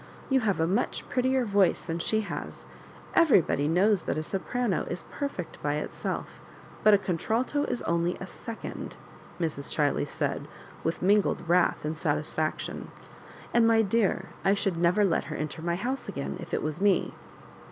You have a much prettier voice than she has: everybody knows that a soprano is perfect by itself, but a contralto is only a secondp Mre. Chiley said, with mingled wrath and satisfaction ;'* and, my dear, I should never let her enter my house again, if it was me."